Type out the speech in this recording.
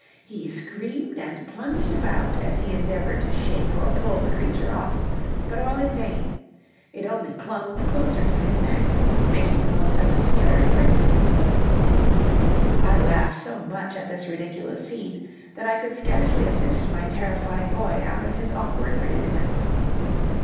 He screamed and plunged about as he endeavored to shake or pull the creature off, but all in vain; it only clung the closer to his neck, making the most absurd grimaces. I laughed so much at this ridiculous scene, that I could scarcely assist my terrified boy out of his awkward predicament.